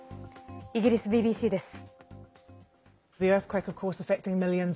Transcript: イギリスＢＢＣです。